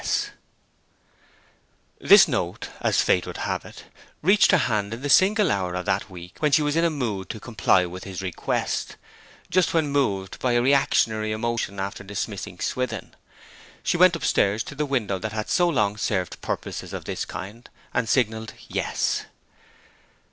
S.' This note, as fate would have it, reached her hands in the single hour of that week when she was in a mood to comply with his request, just when moved by a reactionary emotion after dismissing Swithin. She went upstairs to the window that had so long served purposes of this kind, and signalled 'Yes.'